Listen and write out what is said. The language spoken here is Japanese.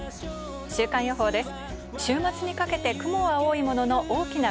週間予報です。